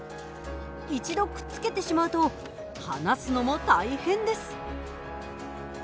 一度くっつけてしまうと離すのも大変です。